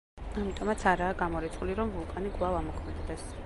ამიტომაც, არაა გამორიცხული, რომ ვულკანი კვლავ ამოქმედდეს.